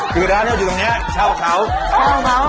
คือร้านเราอยู่ตรงนี้เช่าเขาเช่าเขา